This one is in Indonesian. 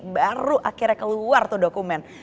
baru akhirnya keluar tuh dokumen